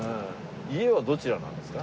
家はどちらなんですか？